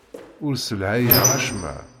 Ur sselhayeɣ acemma.